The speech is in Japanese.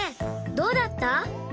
どうだった？